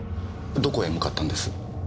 どこへ向かったんです？